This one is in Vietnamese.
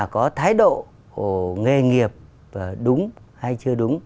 có thái độ nghề nghiệp đúng hay chưa đúng